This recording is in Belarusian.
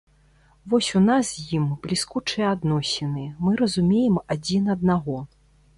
Вось у нас з ім бліскучыя адносіны, мы разумеем адзін аднаго.